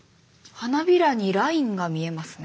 花びらにラインが見えますね。